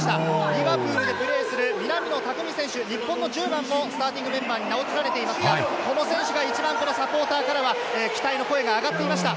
リバプールでプレーする南野拓実選手、日本の１０番もスターティングメンバーに名を連ねていますが、この選手が一番サポーターから期待の声が上がっていました。